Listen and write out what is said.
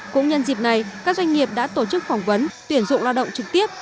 cũng nhân dịp này các doanh nghiệp đã tổ chức phỏng vấn tuyển dụng lao động trực tiếp